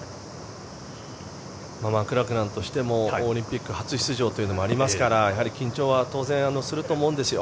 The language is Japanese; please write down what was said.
マクラクランとしてもオリンピック初出場というのがありますから緊張は当然すると思うんですよ。